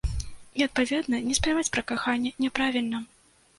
І, адпаведна, не спяваць пра каханне, няправільна.